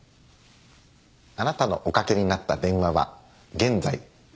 あなたのおかけになった電話は現在使われて。